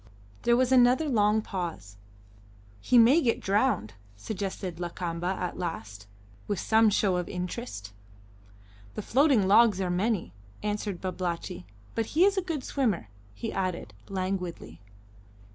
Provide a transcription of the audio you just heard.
There was another long pause. "He may get drowned," suggested Lakamba at last, with some show of interest. "The floating logs are many," answered Babalatchi, "but he is a good swimmer," he added languidly.